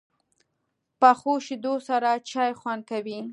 پخو شیدو سره چای خوند کوي